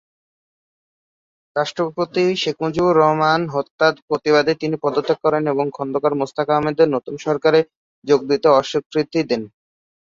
রাষ্ট্রপতি শেখ মুজিবুর রহমান হত্যার প্রতিবাদে তিনি পদত্যাগ করেন এবং খোন্দকার মোশতাক আহমদের নতুন সরকারে যোগ দিতে অস্বীকৃতি দেন।